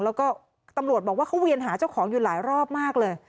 แล้วก็ตำรวจบอกว่าเขาเวียนหาเจ้าของอยู่หลายรอบมากเลย